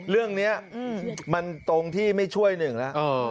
เรื่องนี้มันตรงที่ไม่ช่วยหนึ่งแล้ว